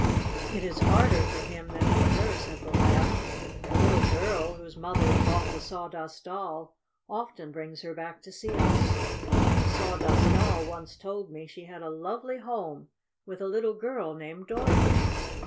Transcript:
"It is harder for him than for her," said the Lamb. "The little girl, whose mother bought the Sawdust Doll, often brings her back to see us. And the Sawdust Doll once told me she had a lovely home with a little girl named Dorothy."